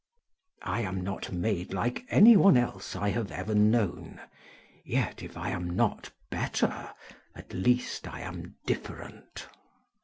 "I am not made like any one else I have ever known: yet, if I am not better, at least I am different."